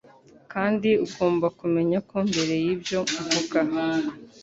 kandi ugomba kumenya ko mbere yibyo mvuga